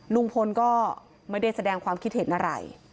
ลุงพลก็ไม่ได้แสดงความคิดเห็นอะไร